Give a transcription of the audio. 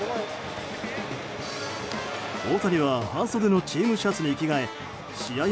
大谷は半袖のチームシャツに着替え試合